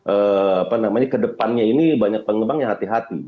apa namanya kedepannya ini banyak pengembang yang hati hati